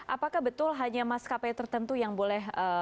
apakah betul hanya mas kpi tertentu yang boleh